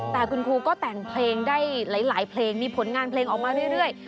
แต่คุณครูก็แต่งเพลงได้หลายเพลงมีผลงานเพลงออกมาเรื่อย